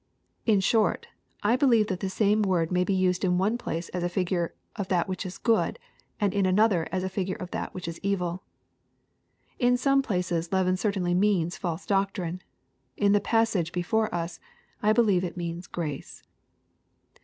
In short I be* lieve that the sajoe word may be used in one place as a figure of that which is good, and in another as a figure of that which is eviL In some places leaven certainly means *' false doctrine." In the passage before us, I believe it means " grace."